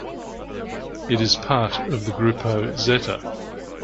It is part of the Grupo Zeta.